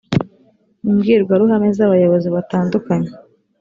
imbwirwaruhame z abayobozi batandukanye